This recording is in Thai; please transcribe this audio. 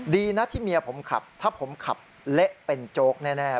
ดีนะที่เมียผมขับถ้าผมขับเละเป็นโจ๊กแน่